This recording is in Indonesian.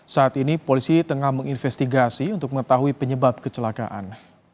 saat ini polisi tengah menginvestigasi untuk mengetahui penyebab kecelakaan